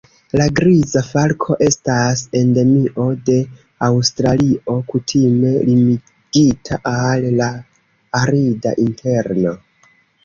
La Griza falko estas endemio de Aŭstralio, kutime limigita al la arida interno.